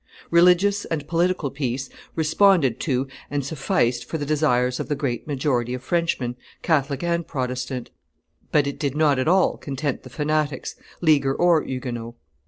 Religious and political peace responded to and sufficed for the desires of the great majority of Frenchmen, Catholic and Protestant; but it did not at all content the fanatics, Leaguer or Huguenot.